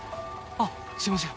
あっすいません。